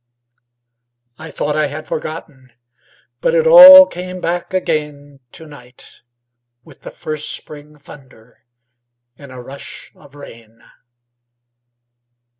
I thought I had forgotten, But it all came back again To night with the first spring thunder In a rush of rain.